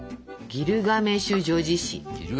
「ギルガメシュ叙事詩」。